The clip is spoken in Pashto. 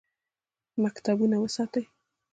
مکتبونه وساتئ